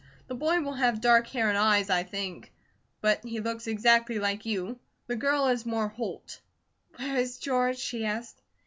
The boy will have dark hair and eyes I think, but he looks exactly like you. The girl is more Holt." "Where is George?" she asked.